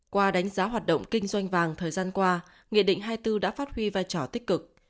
qua đánh giá hoạt động kinh doanh vàng thời gian qua nghị định hai mươi bốn đã phát huy vai trò tích cực